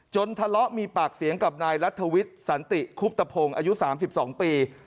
ทะเลาะมีปากเสียงกับนายรัฐวิทย์สันติคุบตะพงศ์อายุ๓๒ปี